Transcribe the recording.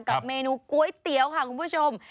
เมนูก๋วยเตี๋ยวค่ะคุณผู้ชม